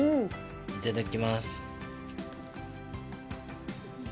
いただきます。